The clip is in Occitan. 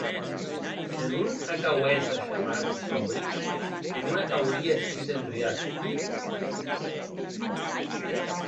Se non ac auesse shamat sòbri, que non ac aurie escrit embriac.